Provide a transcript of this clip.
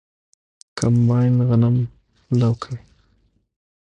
کمباین غنم لو کوي.